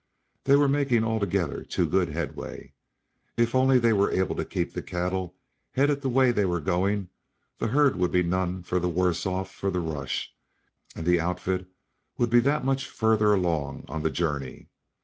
They were making altogether too good headway. If only they were able to keep the cattle headed the way they were going the herd would be none the worse off for the rush and the outfit would be that much further along on the journey.